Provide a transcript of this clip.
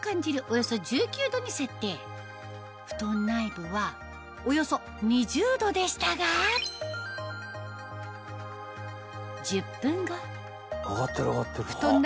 およそ１９℃に設定ふとん内部はおよそ２０℃でしたが１０分後ふとん